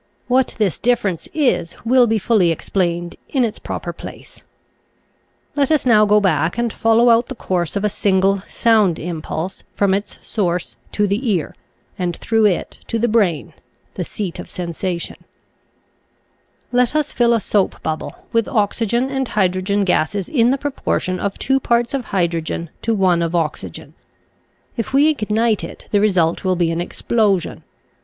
What this dif ference is will be fully explained in its proper place. Let us now go back and follow out the course of a single sound impulse from its source to the ear, and through it to the brain — the seat of sensation. Original from UNIVERSITY OF WISCONSIN 5oun&. 59 Let us fill a soap bubble with oxygen and hydrogen gases in the proportion of two parts of hydrogen to one of oxygen If we ignite it the result will be an explosion.